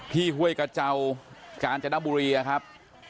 พี่เฮ้ยกับเจ้ากาญจนบุรีครับ